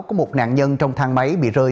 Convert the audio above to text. có một nạn nhân trong thang máy bị rơi